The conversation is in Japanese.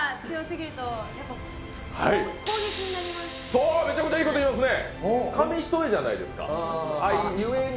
そうめちゃくちゃいいこと言いますね。